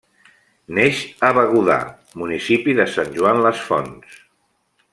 Neix a Begudà, municipi de Sant Joan les Fonts.